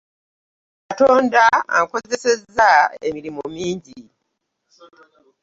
Katonda ankozesezza emirimu mingi.